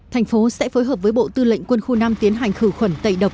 thành phố sẽ phối hợp với bộ tư lệnh quân khu năm tiến hành khử khuẩn tẩy độc